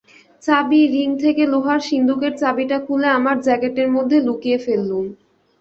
চাবির রিং থেকে লোহার সিন্দুকের চাবিটা খুলে আমার জ্যাকেটের মধ্যে লুকিয়ে ফেললুম।